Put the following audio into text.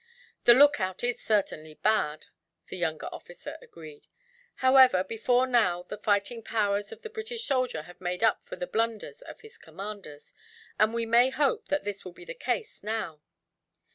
"The lookout is certainly bad," the younger officer agreed. "However, before now the fighting powers of the British soldier have made up for the blunders of his commanders; and we may hope that this will be the case, now."